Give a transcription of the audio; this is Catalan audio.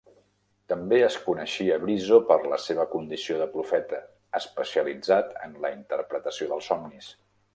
També es coneixia Brizo per la seva condició de profeta especialitzat en la interpretació dels somnis.